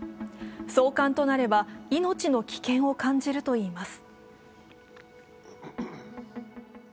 送還となれば、命の危険を感じるといいます。